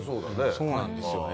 そうなんですよね。